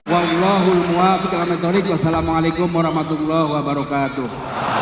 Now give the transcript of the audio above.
wa alaikumussalamu alaikum warahmatullahi wabarakatuh